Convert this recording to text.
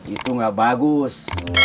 itu tidak bagus